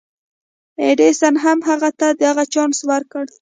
ايډېسن هم هغه ته دغه چانس ورکړ.